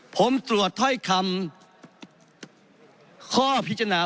ผมตรวจถ้อยคำข้อพิจารณา